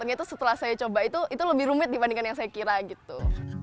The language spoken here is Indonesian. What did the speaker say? itu setelah saya coba itu lebih rumit dibandingkan yang saya kira gitu